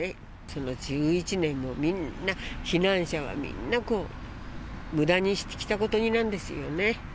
その１１年もみんな、避難者はみんな、むだにしてきたことになるんですよね。